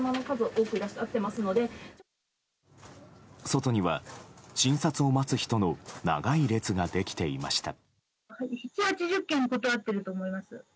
外には診察を待つ人の長い列ができていました。